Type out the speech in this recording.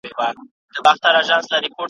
نه یې څه پیوند دی له بورا سره ,